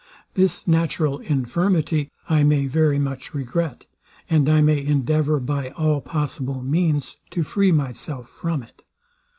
This natural infirmity I may very much regret, and I may endeavour, by all possible means, to free my self from it.